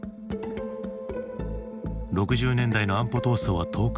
６０年代の安保闘争は遠く